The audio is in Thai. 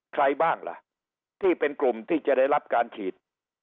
ใครบ้างล่ะที่เป็นกลุ่มที่จะได้รับการฉีด